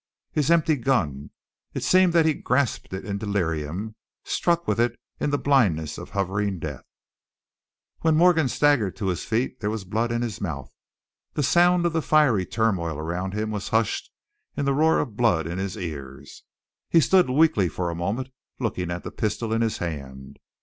His empty gun. It seemed that he grasped it in delirium, and struck with it in the blindness of hovering death. When Morgan staggered to his feet there was blood in his mouth; the sound of the fiery turmoil around him was hushed in the roar of blood in his ears. He stood weakly a moment, looking at the pistol in his hand.